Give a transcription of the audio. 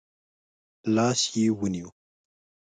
لاس يې ونیو.